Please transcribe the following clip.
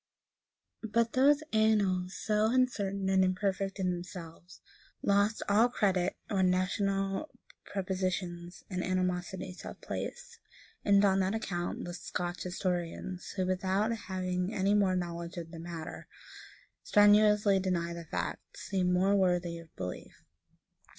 ] But those annals, so uncertain and imperfect in themselves, lose all credit when national prepossessions and animosities have place; and, on that account, the Scotch historians, who, without having any more knowledge of the matter, strenuously deny the fact, seem more worthy of belief.